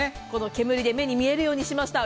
煙で目に見えるようにしました。